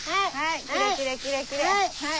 はい。